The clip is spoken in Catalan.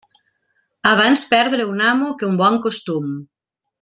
Abans perdre un amo que un bon costum.